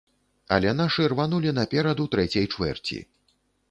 Але нашы рванулі наперад у трэцяй чвэрці.